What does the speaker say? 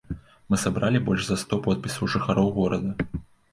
Мы сабралі больш за сто подпісаў жыхароў горада.